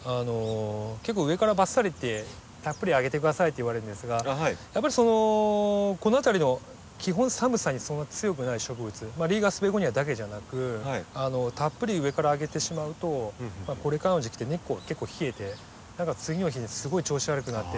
結構上からばっさりってたっぷりあげて下さいって言われるんですがやっぱりこの辺りの基本寒さにそんな強くない植物リーガースベゴニアだけじゃなくたっぷり上からあげてしまうとこれからの時期って根っこが結構冷えて何か次の日にすごい調子悪くなってて。